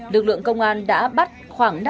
lực lượng công an đã bắt khoảng một người dân